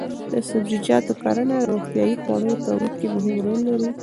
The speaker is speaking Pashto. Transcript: د سبزیجاتو کرنه د روغتیايي خوړو تولید کې مهم رول لري.